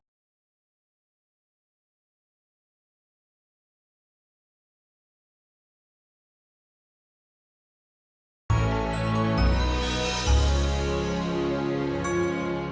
aku udah mikirin semuanya